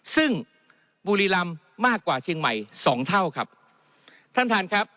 ซึ่งบุรีรำมากกว่าเชียงใหม่สองเท่าครับท่านท่านครับ